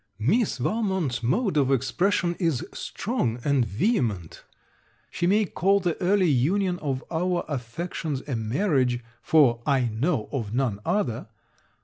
Miss Valmont's mode of expression is strong and vehement. She may call the early union of our affections a marriage, for I know of none other.